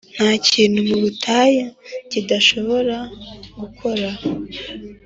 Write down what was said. ntakintu mu butayu kidashobora gukora,